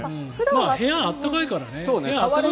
部屋、暖かいからね。